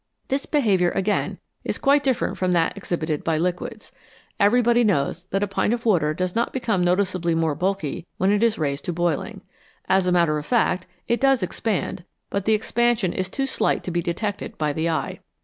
This behaviour, again, is quite different from that ex hibited by liquids. Everybody knows that a pint of water does not become noticeably more bulky when it is raised to boiling. As a matter of fact, it does expand, but the expansion is too slight to be detected by the eye.